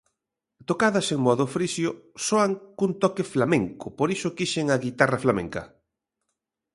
Tocadas en modo frixio, soan cun toque flamenco, por iso quixen a guitarra flamenca.